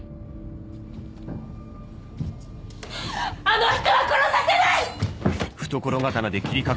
あの人は殺させない！あっ。